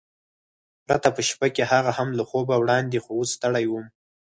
پرته په شپه کې، هغه هم له خوبه وړاندې، خو اوس ستړی وم.